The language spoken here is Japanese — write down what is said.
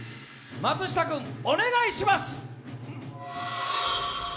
松下君、お願いします。